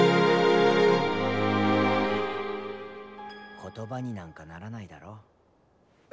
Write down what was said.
言葉になんかならないだろう？